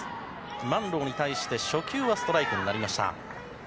マンローに対して初球はストライクになりました。